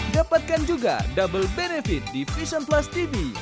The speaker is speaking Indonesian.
dapatkan juga double benefit di vision plus tv